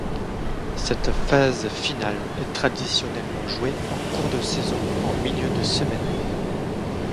Cette phase finale est traditionnellement jouée en cours de saison en milieu de semaine.